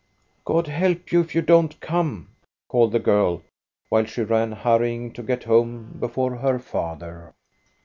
" God help you if you don't come !" called the girl, while she ran, hurrying to get home before her father.